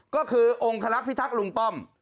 ก็คือองคลักษิทักษ์ลุงป้อม